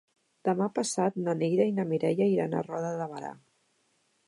Demà passat na Neida i na Mireia iran a Roda de Berà.